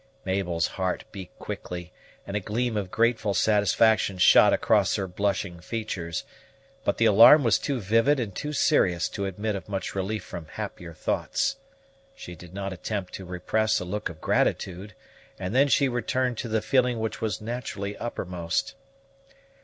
Mabel's heart beat quickly, and a gleam of grateful satisfaction shot across her blushing features; but the alarm was too vivid and too serious to admit of much relief from happier thoughts. She did not attempt to repress a look of gratitude, and then she returned to the feeling which was naturally uppermost.